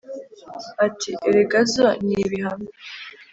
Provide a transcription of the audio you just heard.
ati erega zo ni ibihame